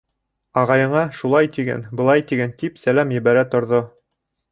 Ағайыңа шулай тиген, былай тиген, тип сәләм ебәрә торҙо.